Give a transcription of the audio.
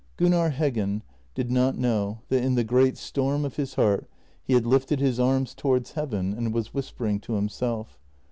Gunnar Heggen did not know that in the great storm of his heart he had lifted his arms towards heaven and was whispering to himself.